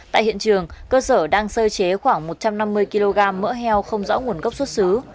tại hiện trường cơ sở đang sơ chế khoảng một trăm năm mươi kg mỡ heo không rõ nguồn gốc xuất xứ